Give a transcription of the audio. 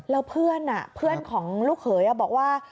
เราพวกเพื่อนของลูกเหยอ่ะบอกว่า